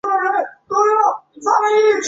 冷链品质指标所订定的统一规范准则。